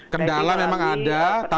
berapa megan untuk